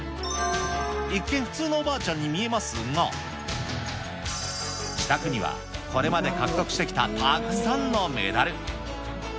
一見、普通のおばあちゃんに見えますが、自宅にはこれまで獲得してきたたくさんのメダル。